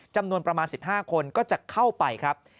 จำนวนประมาณ๑๕คนก็จะเข้าไปครับ